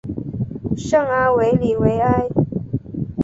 圣阿维里维埃。